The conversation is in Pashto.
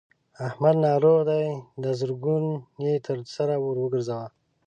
احمد ناروغ دی؛ دا زرګون يې تر سر ور ګورځوه.